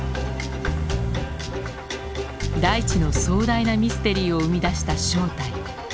大地の壮大なミステリーを生み出した正体。